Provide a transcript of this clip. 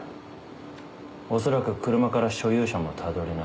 おそらく車から所有者もたどれない。